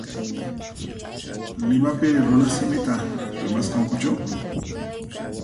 Limapiri runasimita rimasqakuchu?